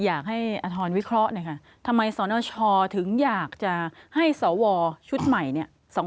อยากให้อัทษนวิเคราะห์นะคะทำไมสวรรศ์ช่อถึงอยากจะให้สวรรย์ชุดใหม่นี่